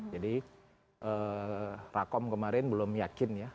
jadi rakom kemarin belum yakin ya